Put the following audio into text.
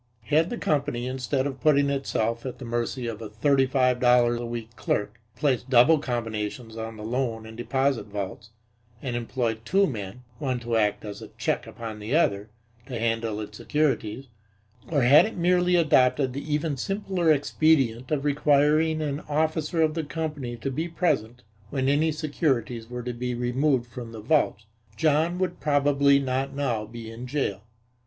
Had the company, instead of putting itself at the mercy of a thirty five dollar a week clerk, placed double combinations on the loan and deposit vaults, and employed two men, one to act as a check upon the other, to handle its securities, or had it merely adopted the even simpler expedient of requiring an officer of the company to be present when any securities were to be removed from the vaults, John would probably not now be in jail.